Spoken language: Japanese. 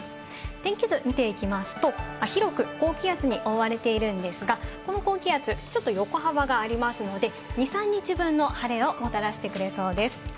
天気図を見ていきますと、広く高気圧に覆われているんですが、この高気圧、ちょっと横幅がありますので、２３日分の晴れをもたらしてくれそうです。